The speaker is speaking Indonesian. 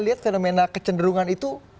lihat fenomena kecenderungan itu